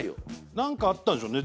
何かあったんでしょうね